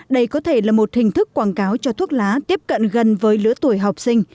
đây có thể là một hình thức quảng cáo cho thuốc lá tiếp cận gần với lứa tuổi học sinh